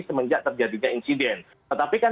semenjak terjadinya insiden tetapi kan